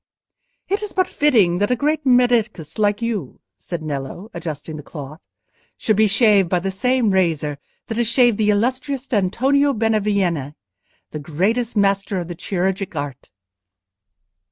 "It is but fitting that a great medicus like you," said Nello, adjusting the cloth, "should be shaved by the same razor that has shaved the illustrious Antonio Benevieni, the greatest master of the chirurgic art."